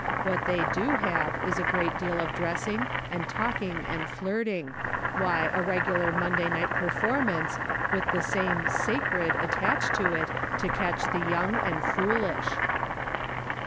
AVhat they do have is a great deal of dressing and talking and flirting — why, a regular Monday night performance, with the same ' sacred' attached to it to catch the young and foolish."